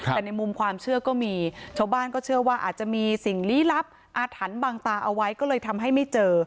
แต่ในมุมความเชื่อก็มีชาวบ้านก็เชื่อว่าอาจจะมีสิ่งลี้ลับอาถรรพ์บางตาเอาไว้ก็เลยทำให้ไม่เจอ